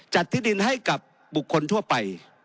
ที่ดินให้กับบุคคลทั่วไป